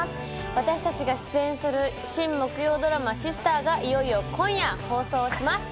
私たちが出演する新木曜ドラマ『Ｓｉｓｔｅｒ』がいよいよ今夜放送します。